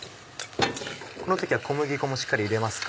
この時は小麦粉もしっかり入れますか？